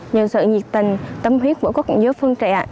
nhờ sự nhiệt tình tâm huyết của quốc gia phương trẻ